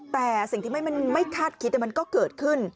แต่สิ่งที่ไม่คาดคิดมันก็เกิดขึ้น